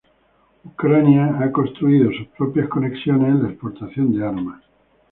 Ucrania ha construido sus propias conexiones en la exportación de armas.